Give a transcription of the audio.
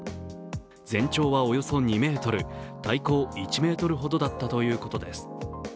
全長はおよそ２ｍ、体高１ｍほどだったということです。